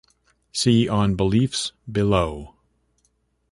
See on "Beliefs" below.